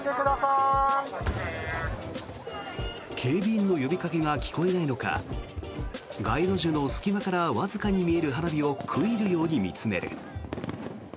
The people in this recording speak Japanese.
警備員の呼びかけが聞こえないのか街路樹の隙間からわずかに見える花火を食い入るように見つめる。